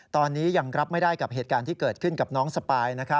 ตอนนี้ยังรับไม่ได้กับเหตุการณ์ที่เกิดขึ้นกับน้องสปาย